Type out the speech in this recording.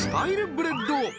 ブレッド